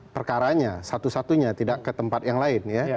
perkaranya satu satunya tidak ke tempat yang lain ya